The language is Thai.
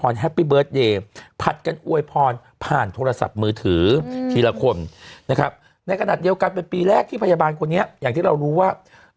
ในกระดาษเดียวกันเป็นปีแรกที่พยาบาลคนนี้อย่างที่เรารู้ว่า